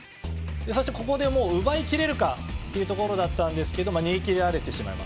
そしてここでもう奪いきれるかというところだったんですけど逃げきれられてしまいます。